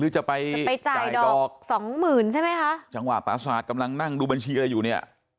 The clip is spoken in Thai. จะไปจะไปจ่ายดอกสองหมื่นใช่ไหมคะจังหวะประสาทกำลังนั่งดูบัญชีอะไรอยู่เนี่ย